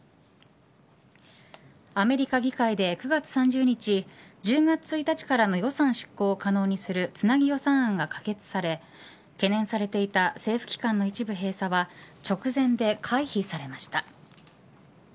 アメリカ議会で９月３０日１０月１日からの予算執行を可能にするつなぎ予算案が可決され懸念されていた政府機関の一部閉鎖は直前で回避されました。